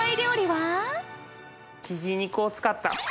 キジ肉を使った。